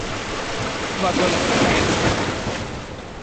В вагонах такая духота.